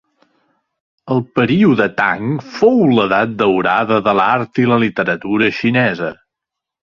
El període Tang fou l'edat daurada de l'art i la literatura xinesa.